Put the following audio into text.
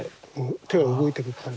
手が動いてく感じで。